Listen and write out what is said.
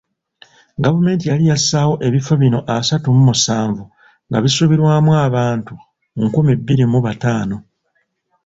Gavumenti yali yassaawo ebifo bino asatu mu musanvu nga bisuubirwamu abantu nkumi bbiri mu bataano.